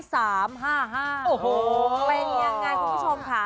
โอ้โหเป็นยังไงคุณผู้ชมค่ะ